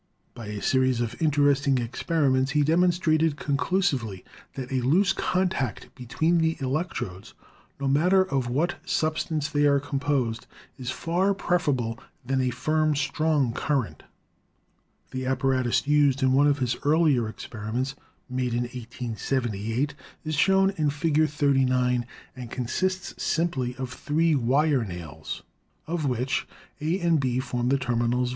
By a series of interesting experiments he demonstrated conclusively that a loose contact between the electrodes, no matter of what substance they are com posed, is far preferable to a firm, strong current. The apparatus used in one of his earlier experiments, made in 1878, is shown in Fig. 39, and consists simply of three wire nails, of which A and B form the terminals of the Fig. 38 — Phei.